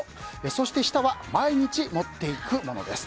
そして下は毎日持っていくものです。